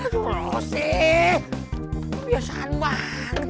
terima kasih bang